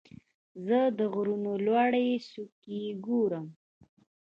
زه د غرونو لوړې څوکې ګورم.